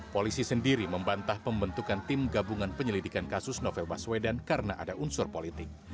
polisi sendiri membantah pembentukan tim gabungan penyelidikan kasus novel baswedan karena ada unsur politik